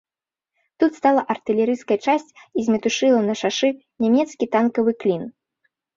Тут стала артылерыйская часць і змятушыла на шашы нямецкі танкавы клін.